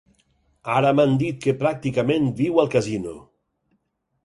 Ara m'han dit que pràcticament viu al casino.